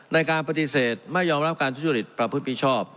ในการปฏิเสธไม่ยอมรับการทุจริตประพฤติมิชอบ